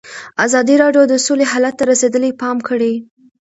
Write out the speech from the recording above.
ازادي راډیو د سوله حالت ته رسېدلي پام کړی.